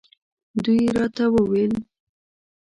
دوی راته وویل.